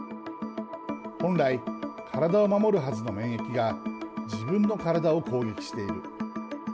本来、体を守るはずの免疫が自分の体を攻撃している。